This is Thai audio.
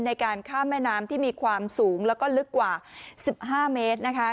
ในการข้ามแม่น้ำที่มีความสูงแล้วก็ลึกกว่า๑๕เมตรนะคะ